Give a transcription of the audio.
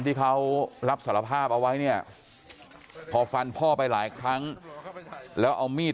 ที่เขารับสารภาพเอาไว้เนี่ยพอฟันพ่อไปหลายครั้งแล้วเอามีด